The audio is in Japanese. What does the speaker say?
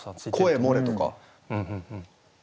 「声もれ」とか。